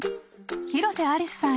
広瀬アリスさん